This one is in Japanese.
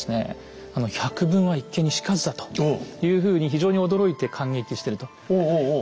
「百聞は一見に如ずだ」というふうに非常に驚いて感激してると。